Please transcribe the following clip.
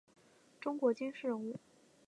中国军事人物。